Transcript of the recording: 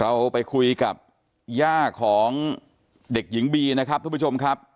เราไปคุยกับย่าของเด็กหญิงบีนะครับทุกผู้ชมครับ